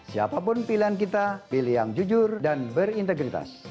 siapapun pilihan kita pilih yang jujur dan berintegritas